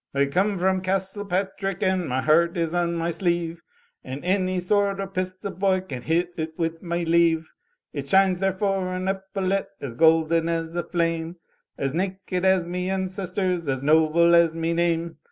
"I come from Castlepatrick and my heart is on my sleeve. And any sword or pistol boy can hit ut with me leave. It shines there for an epaulette, as golden as a flame. As naked as me ancestors, as noble as me name.